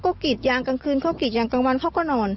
ก็กรีดยางกลางคืนเขากรีดยางกลางวันเขาก็นอน